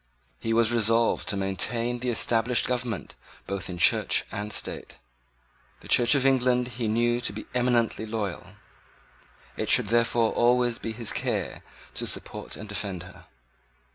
He was resolved to maintain the established government both in Church and State. The Church of England he knew to be eminently loyal. It should therefore always be his care to support and defend her.